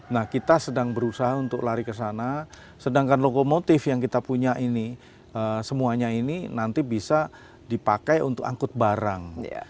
nah kita sedang berusaha untuk lari ke sana sedangkan lokomotif yang kita punya ini semuanya ini nanti bisa dipakai untuk angkut barang